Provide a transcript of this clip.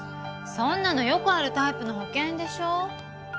そんなのよくあるタイプの保険でしょ？